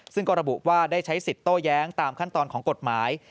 ซึ่งก็ระบุว่าได้ใช้สิทธิ์โต้แย้งตามขั้นตอนของกฎหมาย